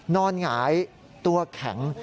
นอนหงายตัวแข็ง